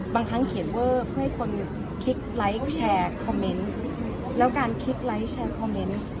บางครั้งเขียนเวอร์เพื่อให้คนคิดไลค์แชร์คอมเมนต์แล้วการคิดไลค์แชร์คอมเมนต์